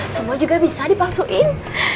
semua juga bisa dipalsuin